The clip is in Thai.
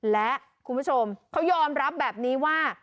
และคุณผู้ชมเขายอมรับแบบนี้ว่า